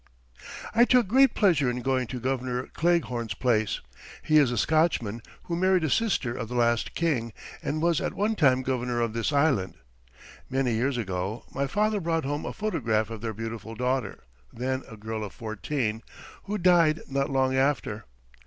I took great pleasure in going to Governor Cleghorn's place. He is a Scotchman who married a sister of the last king, and was at one time governor of this island. Many years ago, my father brought home a photograph of their beautiful daughter, then a girl of fourteen, who died not long after.